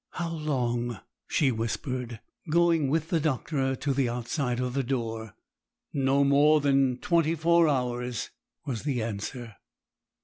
'How long?' she whispered, going with the doctor to the outside of the door. 'Not more than twenty four hours,' was the answer.